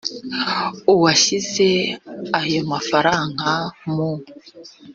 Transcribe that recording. uwashyize ayo mafaranga mu